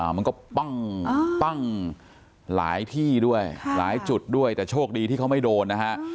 มันก็ปั้งหลายที่ด้วยหลายจุดด้วยแต่โชคดีที่เขาไม่โดนนะฮะ